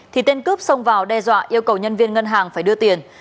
thì tên cướp xông vào đe dọa yêu cầu nhân viên ngân hàng phải đưa tiền